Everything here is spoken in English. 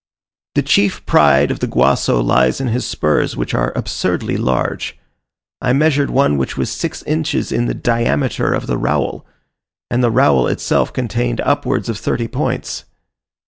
The chief pride of the Guaso lies in his spurs, which are absurdly large. I measured one which was six inches in the diameter of the rowel, and the rowel itself contained upwards of thirty points.